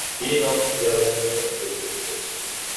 Кийин ал судьяга телефонду көрсөттү.